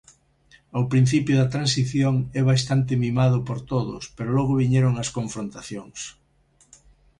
Ao principio da transición é bastante mimado por todos, pero logo viñeron as confrontacións.